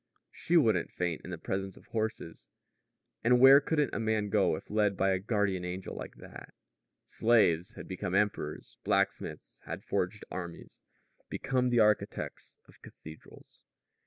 She wouldn't faint in the presence of horses! And where couldn't a man go if led by a guardian angel like that? Slaves had become emperors; blacksmiths had forged armies, become the architects of cathedrals.